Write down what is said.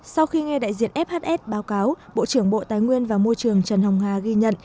sau khi nghe đại diện fhs báo cáo bộ trưởng bộ tài nguyên và môi trường trần hồng hà ghi nhận